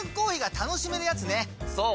そう！